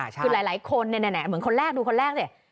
คือหลายคนเหมือนคนแรกดูคนแรกสิ